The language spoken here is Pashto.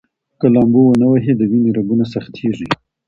که لامبو ونه ووهئ، د وینې رګونه سختېږي.